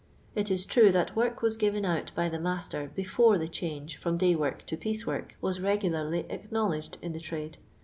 It is true that work m'hs given out by the m.ister before the chanj^e from day work to piece work was regularly acknowledged in the tmde.